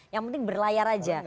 yang penting berlayar aja